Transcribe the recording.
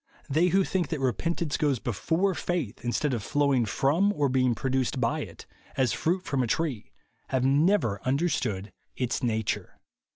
They who think that repentance goes be fore faith, instead of flowing from or being produced by it, as fruit from a tree, have never understood its nature."